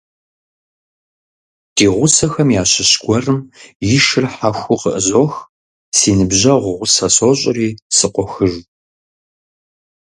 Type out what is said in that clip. Ди гъусэхэм ящыщ гуэрым и шыр хьэхуу къыӀызох, си зы ныбжьэгъу гъусэ сощӀри, сыкъохыж.